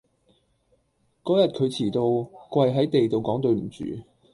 嗰日佢遲到，跪喺地度講對唔住